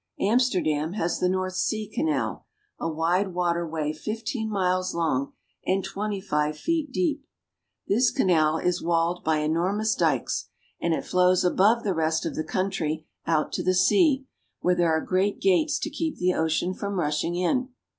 Amsterdam has the North Sea Canal, a wide water way fifteen miles long and twenty five feet deep. This canal is walled by CARP. EUROPE — 9 138 THE NETHERLANDS. enormous dikes, and it flows above the rest of the country out to the sea, where there are great gates to keep the ocean from rushing in.